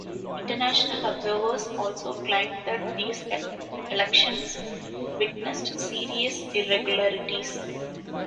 International observers also claimed that these elections witnessed serious irregularities.